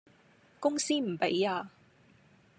公司唔畀呀